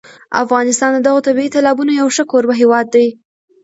افغانستان د دغو طبیعي تالابونو یو ښه کوربه هېواد دی.